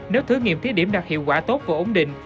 nếu thử nghiệm thí điểm đạt hiệu quả tốt và ổn định